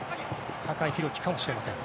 酒井宏樹かもしれません。